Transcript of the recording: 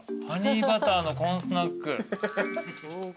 ハニーバターのコーンスナック。